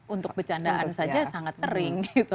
untuk bercandaan saja sangat sering gitu